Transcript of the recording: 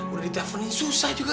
udah diteleponin susah juga